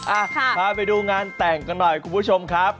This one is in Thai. อ่ะพาไปดูงานแต่งกันหน่อยคุณผู้ชมครับ